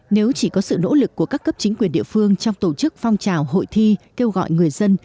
nếu chỉ có sự nỗ lực của các cấp chính quyền địa phương trong tổ chức phong trào hội thi kêu gọi người dân